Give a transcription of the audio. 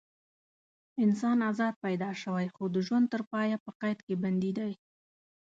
انسان ازاد پیدا شوی خو د ژوند تر پایه په قید کې بندي دی.